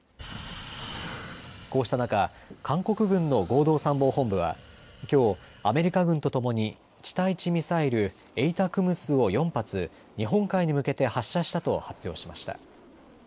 こうした中、韓国軍の合同参謀本部はきょうアメリカ軍とともに地対地ミサイル、ＡＴＡＣＭＳを４発、日本海に向けて発射したと発表しました。